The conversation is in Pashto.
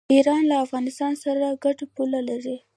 ایران له افغانستان سره ګډه پوله لري.